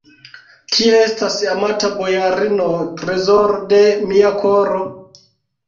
Kie estas amata bojarino, trezoro de mia koro?